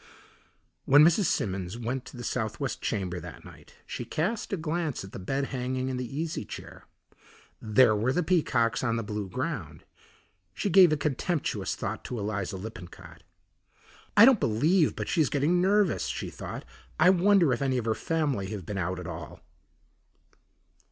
When Mrs. Simmons went to the southwest chamber that night she cast a glance at the bed hanging and the easy chair. There were the peacocks on the blue ground. She gave a contemptuous thought to Eliza Lippincott. "I don't believe but she's getting nervous," she thought. "I wonder if any of her family have been out at all."